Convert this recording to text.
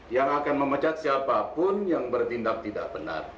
yang akan memecat siapapun yang bertindak tidak benar